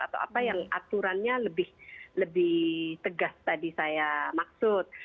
atau apa yang aturannya lebih tegas tadi saya maksud